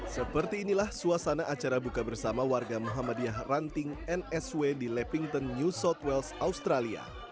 seperti inilah suasana acara buka bersama warga muhammadiyah ranting nsw di lappington new south wales australia